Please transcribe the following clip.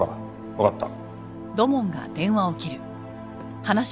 わかった。